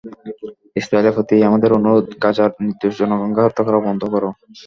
ইসরায়েলের প্রতি আমাদের অনুরোধ, গাজার নির্দোষ জনগণকে হত্যা করা বন্ধ করো।